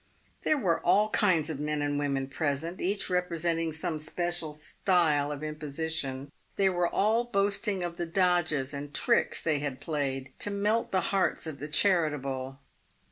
There were all kinds of men and women present, each representing some special style of imposition. They were all boasting of the dodges and tricks they had played to melt the hearts of the charitable.